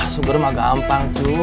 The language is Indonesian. sugernya mah gampang cuy